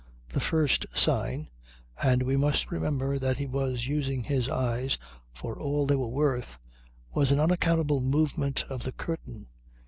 The first sign and we must remember that he was using his eyes for all they were worth was an unaccountable movement of the curtain.